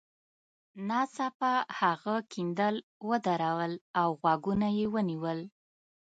ناڅاپه هغه کیندل ودرول او غوږونه یې ونیول